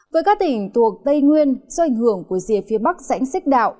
với các tỉnh thuộc tây nguyên do ảnh hưởng của dìa phía bắc rãnh xích đạo